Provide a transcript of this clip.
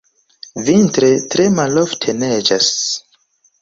Vintre tre malofte neĝas.